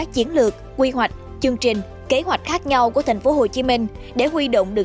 kế hoạch quy hoạch chương trình kế hoạch khác nhau của thành phố hồ chí minh để huy động được